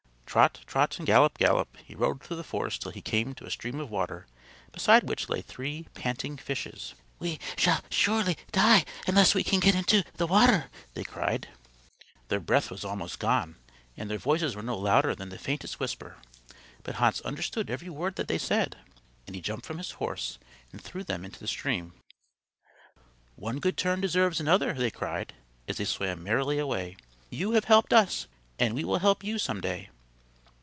Trot, trot, and gallop, gallop he rode through the forest till he came to a stream of water beside which lay three panting fishes. "We shall surely die unless we can get into the water," they cried. Their breath was almost gone and their voices were no louder than the faintest whisper, but Hans understood every word that they said; and he jumped from his horse and threw them into the stream. "One good turn deserves another," they cried as they swam merrily away. "You have helped us, and we will help you some day."